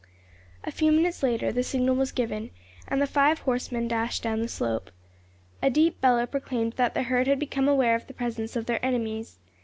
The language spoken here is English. A few minutes later the signal was given, and the five horsemen dashed down the slope. A deep bellow proclaimed that the herd had become aware of the presence of their enemies.